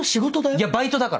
いやバイトだから。